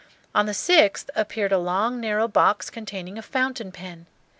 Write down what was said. On the sixth appeared a long narrow box containing a fountain pen.